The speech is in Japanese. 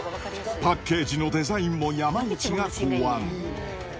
パッケージのデザインも山内が考案。